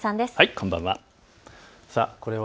こんばんは。